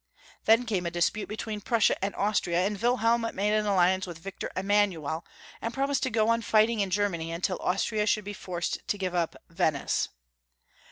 Then came a dispute between Prussia and Austria, and Wilhelm made an alliance with Victor Emanuel, and prom ised to go on fighting in Germany until Austria should be forced to give up Venice.